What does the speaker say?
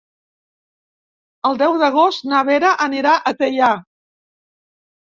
El deu d'agost na Vera anirà a Teià.